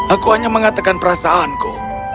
aku hanya mengatakan perasaanku